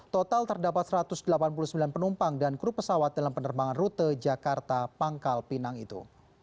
total terdapat satu ratus delapan puluh sembilan penumpang dan kru pesawat dalam penerbangan rute jakarta pangkal pinang itu